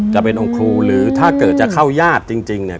จะเป็นองค์ครูหรือถ้าเกิดจะเข้าญาติจริงเนี่ย